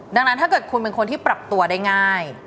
ดังนั้นถ้าเกิดคุณเป็นคนที่ปรับตัวได้ง่าย